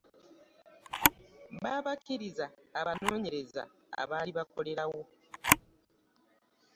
Baabakkiriza abanoonyereza abaali bakolerawo.